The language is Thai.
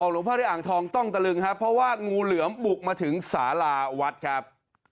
หลวงพ่อในอ่างทองต้องตะลึงครับเพราะว่างูเหลือมบุกมาถึงสาราวัดครับ